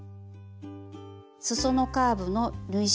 すそのカーブの縫い代